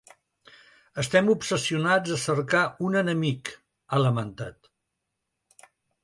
Estem obsessionats a cercar un enemic, ha lamentat.